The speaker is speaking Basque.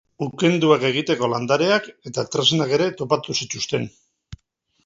Ukenduak egiteko landareak eta tresnak ere topatu zituzten.